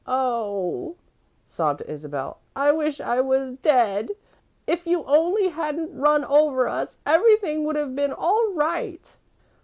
Oh," sobbed Isabel, "I wish I was dead. If you only hadn't run over us, everything would have been all right!"